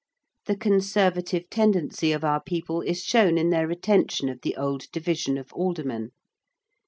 The conservative tendency of our people is shown in their retention of the old division of aldermen.